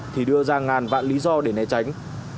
thì đưa ra ngàn vạn lý do để né tránh